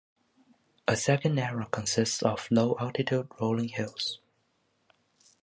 A second area consists of low-altitude rolling hills.